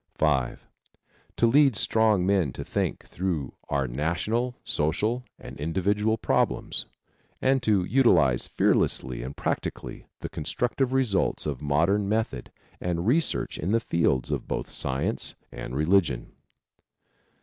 (5) To lead strong men to think through our national, social and individual problems, and to utilize fearlessly and practically the constructive results of modern method and research in the fields of both science and religion.